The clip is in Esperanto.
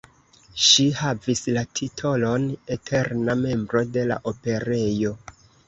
Ŝi havis la titolon eterna membro de la Operejo.